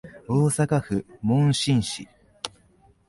大阪府門真市